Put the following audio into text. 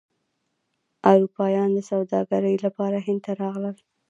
اروپایان د سوداګرۍ لپاره هند ته راغلل.